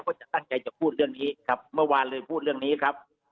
ก็จะตั้งใจจะพูดเรื่องนี้ครับเมื่อวานเลยพูดเรื่องนี้ครับ